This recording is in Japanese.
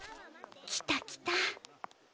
来た来た。